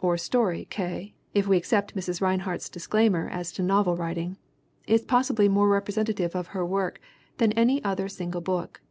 or story K., if we accept Mrs. Rine hart's disclaimer as to novel writing is possibly more representative of her work than any other single book.